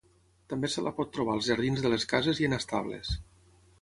També se la pot trobar als jardins de les cases i en estables.